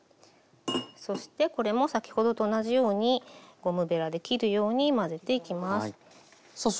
そしてこれも先ほどと同じようにゴムべらで切るように混ぜていきます。